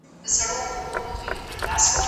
زده کوونکي څنګه د دلیلونو ترمنځ توپیر کوي؟